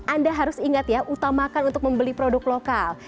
anda harus ingat ya utamakan untuk membeli produk lokal